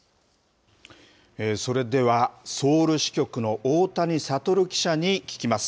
それでは、ソウル支局の大谷暁記者に聞きます。